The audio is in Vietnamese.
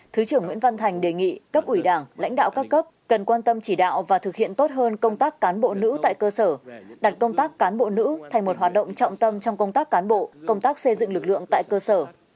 thứ trưởng nguyễn văn thành đề nghị cấp ủy đảng lãnh đạo các cấp cần quan tâm chỉ đạo và thực hiện tốt hơn công tác cán bộ nữ tại cơ sở đặt công tác cán bộ nữ thành một hoạt động trọng tâm trong công tác cán bộ công tác xây dựng lực lượng tại cơ sở